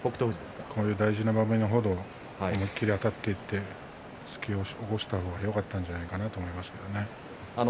大事な場面程思い切りあたっていって突き起こした方がよかったんじゃないかなと思いますけどね。